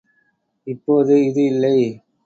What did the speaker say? இப்போது இது இல்லை.